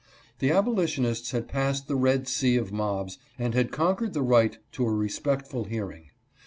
The abolitionists had passsd the Red Sea of mobs and had conquered the right to a respectful hearing.